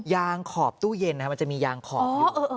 ยางขอบตู้เย็นนะครับมันจะมียางขอบอยู่